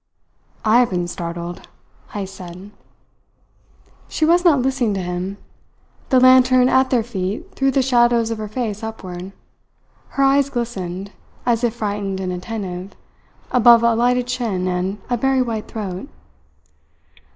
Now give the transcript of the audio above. "I have been startled," Heyst said. She was not listening to him. The lantern at their feet threw the shadows of her face upward. Her eyes glistened, as if frightened and attentive, above a lighted chin and a very white throat.